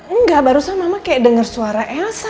enggak barusan mama kayak denger suara elsa